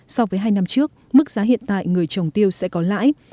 so với hai năm trước mức giá hiện tại người trồng tiêu sẽ có lãi